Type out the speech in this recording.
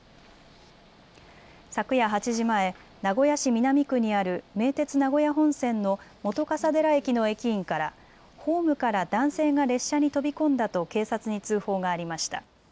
昨夜８時前、名古屋市南区にある名鉄名古屋本線の本笠寺駅の駅員からホームから男性が列車に飛び込んだと警察に通報がありました。